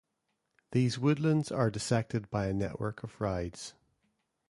These woodlands are dissected by a network of rides.